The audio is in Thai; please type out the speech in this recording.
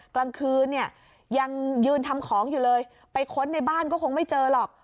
กลางคืนเนี่ยยังยืนทำของอยู่เลยไปค้นในบ้านก็คงไม่เจอหรอก